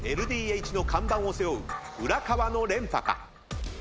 ＬＤＨの看板を背負う浦川の連覇か。